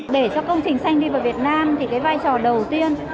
để cho công trình xanh đi vào việt nam thì cái vai trò đầu tiên